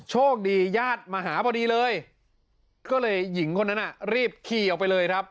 โชคดีญาติมาหาพอดีเลยก็เลยหญิงคนนั้นน่ะรีบขี่ออกไปเลยครับ